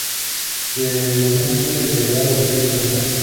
Se nutre del agua del río Lerma.